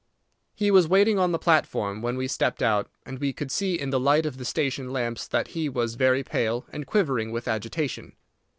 He was waiting on the platform when we stepped out, and we could see in the light of the station lamps that he was very pale, and quivering with agitation.